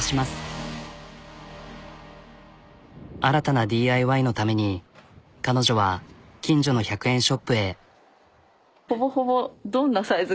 新たなＤＩＹのために彼女は近所の１００円ショップへ。